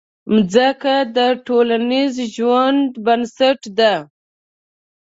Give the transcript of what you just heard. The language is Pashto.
مځکه د ټولنیز ژوند بنسټ ده.